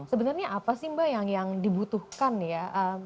sebenarnya apa sih mbak yang dibutuhkan ya